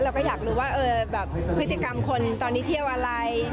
เราก็อยากรู้ว่าแบบพฤติกรรมคนตอนนี้เที่ยวอะไร